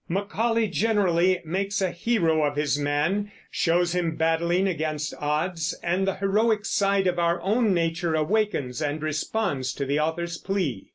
Macaulay generally makes a hero of his man, shows him battling against odds, and the heroic side of our own nature awakens and responds to the author's plea.